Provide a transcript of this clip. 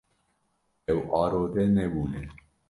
Ew arode nebûne.